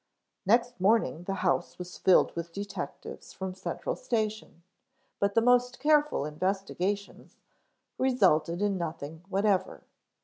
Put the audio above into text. Next morning the house was filled with detectives from the Central Station, but the most careful investigations resulted in nothing whatever.